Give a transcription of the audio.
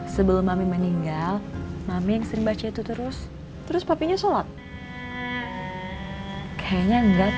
sebelum mami meninggal mami yang sering baca itu terus terus papinya sholat kayaknya enggak